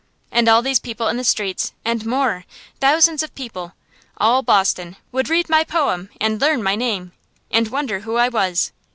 And all these people in the streets, and more, thousands of people all Boston! would read my poem, and learn my name, and wonder who I was.